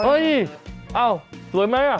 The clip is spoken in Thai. เอ้ยเอ้าสวยไหม